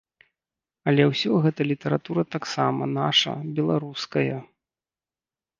Але ўсё гэта літаратура таксама, нашая, беларуская.